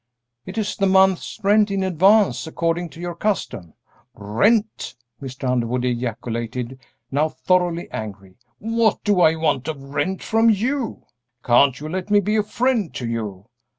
"It is the month's rent in advance, according to your custom." "Rent!" Mr. Underwood ejaculated, now thoroughly angry; "what do I want of rent from you? Can't you let me be a friend to you?